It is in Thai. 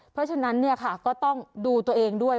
เพราะฉะนั้นก็ต้องดูตัวเองด้วย